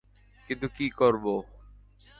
কিন্তু কী করবো?